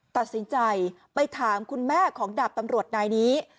ตัดสินใจไปถามคุณแม่ของดาบตำรวจนายนี้